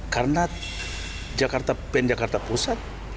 karena jakarta penjakarta pusat